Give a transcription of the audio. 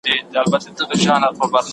د وچولو پروسه د زعفرانو پر کیفیت اغېز لري.